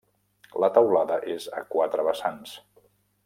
La teulada és a quatre vessants.